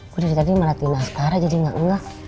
gue dari tadi meratih naskara jadi gak enggak